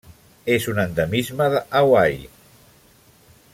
És un endemisme de Hawaii.